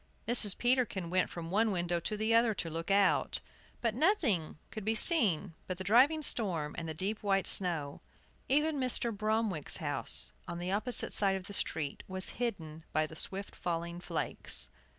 Mrs. Peterkin went from one window to the other to look out; but nothing could be seen but the driving storm and the deep white snow. Even Mr. Bromwick's house, on the opposite side of the street, was hidden by the swift falling flakes.